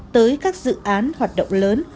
tới các dự án hoạt động lớn